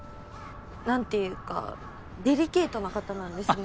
何て言うかデリケートな方なんですね。